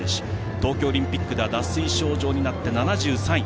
東京オリンピックでは脱水症状になって７３位。